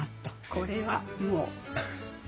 これはもう。